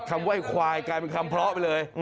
ไหว้ควายกลายเป็นคำเพราะไปเลย